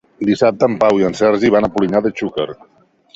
Dissabte en Pau i en Sergi van a Polinyà de Xúquer.